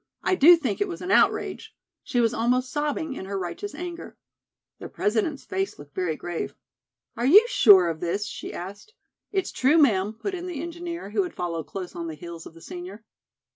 I do think it was an outrage." She was almost sobbing in her righteous anger. The President's face looked very grave. "Are you sure of this?" she asked. "It's true, ma'am," put in the engineer, who had followed close on the heels of the senior.